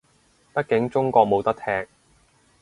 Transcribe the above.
畢竟中國冇得踢